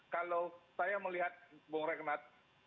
kalau saya melihat bung regnat